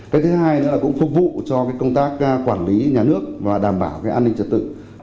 cái thứ hai nữa là cũng phục vụ cho công tác quản lý nhà nước và đảm bảo cái an ninh trật tự